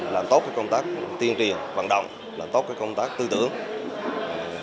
làm tốt công tác tiên truyền vận động làm tốt công tác tư tưởng